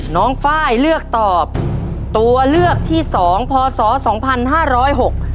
ไฟล์เลือกตอบตัวเลือกที่สองพศสองพันห้าร้อยหก